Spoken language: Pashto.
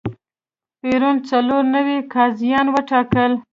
پېرون څلور نوي قاضیان وټاکل.